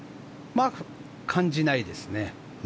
感じないですね。